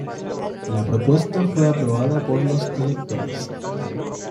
La propuesta fue aprobada por los electores.